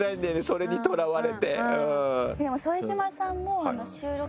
それにとらわれて。